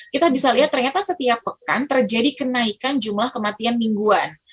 kita bisa lihat ternyata setiap pekan terjadi kenaikan jumlah kematian mingguan